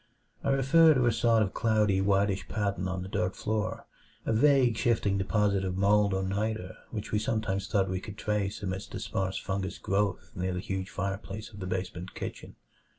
I refer to a sort of cloudy whitish pattern on the dirt floor a vague, shifting deposit of mold or niter which we sometimes thought we could trace amidst the sparse fungous growths near the huge fireplace of the basement kitchen.